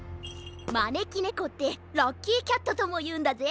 まねきねこってラッキーキャットともいうんだぜ。